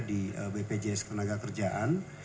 di bpjs ketenaga kerjaan